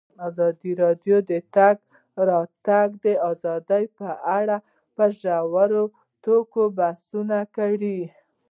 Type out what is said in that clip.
ازادي راډیو د د تګ راتګ ازادي په اړه په ژوره توګه بحثونه کړي.